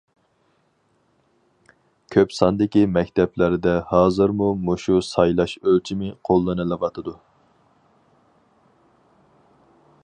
كۆپ ساندىكى مەكتەپلەردە ھازىرمۇ مۇشۇ سايلاش ئۆلچىمى قوللىنىلىۋاتىدۇ.